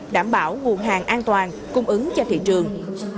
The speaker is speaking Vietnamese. đảm bảo nguồn hàng an toàn cung ứng cho thị trường